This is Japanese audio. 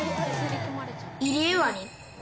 イリエワニ。